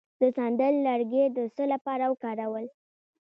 د سندل لرګی د څه لپاره وکاروم؟